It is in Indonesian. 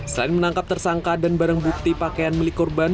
selain menangkap tersangka dan barang bukti pakaian milik korban